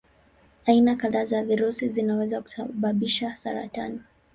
Aina kadhaa za virusi zinaweza kusababisha saratani.